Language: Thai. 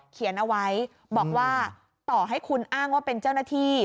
เขียนเอาไว้บอกว่าต่อให้คุณอ้างว่าเป็นเจ้าหน้าที่